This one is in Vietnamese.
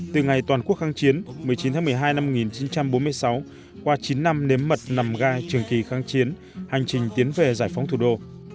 từ ngày toàn quốc kháng chiến một mươi chín tháng một mươi hai năm một nghìn chín trăm bốn mươi sáu qua chín năm nếm mật nằm gai trường kỳ kháng chiến hành trình tiến về giải phóng thủ đô